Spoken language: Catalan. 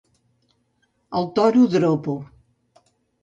El toro dropo...